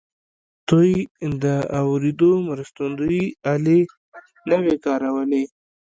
دوی د اورېدو مرستندويي الې نه وې کارولې.